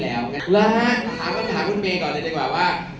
แล้วถามคุณเมย์ก่อนหน่อยดีกว่าว่า